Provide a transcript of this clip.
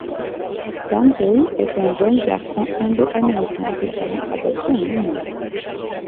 Sanjay est un jeune garçon indo-américain désirant adopter un animal.